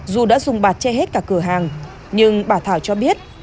dù đã dùng bạt che hết cả cửa hàng nhưng bà thảo cho biết